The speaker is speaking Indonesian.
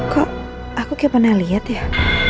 kok aku kayak pernah lihat ya